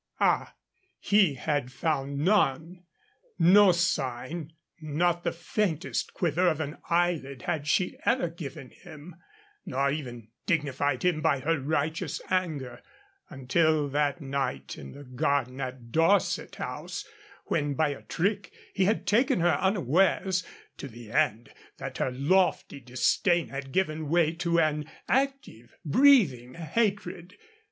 Ah! he had found none. No sign, not the faintest quiver of an eyelid had she ever given him; nor even dignified him by her righteous anger until that night in the garden at Dorset House, when by a trick he had taken her unawares, to the end that her lofty disdain had given way to an active, breathing hatred.